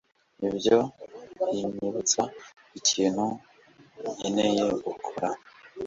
Ibyo binyibutsa ikintu nkeneye gukora